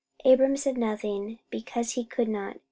Abram said nothing, because he could not.